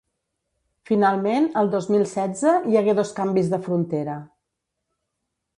Finalment, el dos mil setze hi hagué dos canvis de frontera.